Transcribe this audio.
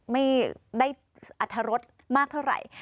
ไม่ได้อรรถรสมากเท่าไหร่